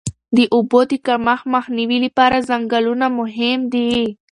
د اوبو د کمښت مخنیوي لپاره ځنګلونه مهم دي.